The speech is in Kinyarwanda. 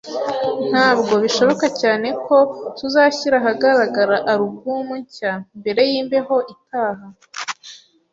Ntabwo bishoboka cyane ko tuzashyira ahagaragara alubumu nshya mbere yimbeho itaha